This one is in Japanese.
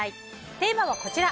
テーマは、こちら。